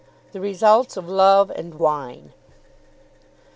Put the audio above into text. THE RESULTS OF LOVE AND WINE.